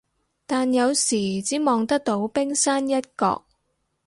但有時只望得到冰山一角